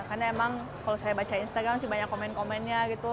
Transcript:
karena emang kalau saya baca instagram sih banyak komen komennya gitu